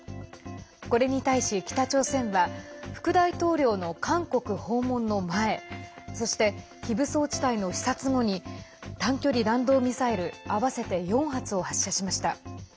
これに対し、北朝鮮は副大統領の韓国訪問の前そして、非武装地帯の視察後に短距離弾道ミサイル合わせて４発を発射しました。